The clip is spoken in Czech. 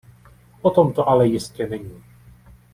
O tom to ale jistě není.